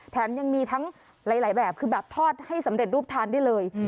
แถมยังมีทั้งหลายแบบคือแบบทอดให้สำเร็จรูปทานได้เลย